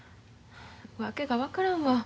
訳が分からんわ。